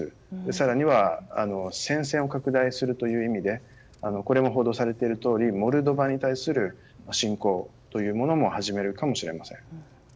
更には、戦線を拡大するという意味でこれも報道されているとおりモルドバに対する侵攻も始めるかもしれません。